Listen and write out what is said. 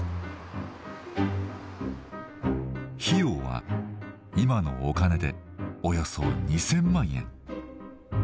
費用は今のお金でおよそ２，０００万円。